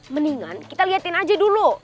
mendingan kita liatin aja dulu